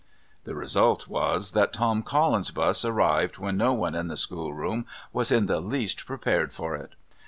The result was that Tom Collins's bus arrived when no one in the schoolroom was in the least prepared for it.